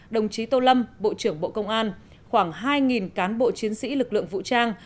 đồng chí tô lâm bộ trưởng bộ công an khoảng hai cán bộ chiến sĩ lực lượng vũ trang